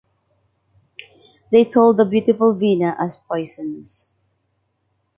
they told the beautiful veena as poisonous